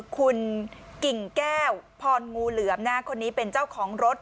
คุณกิ่งแก้วพรงูเหลือมคนนี้เป็นเจ้าของรถ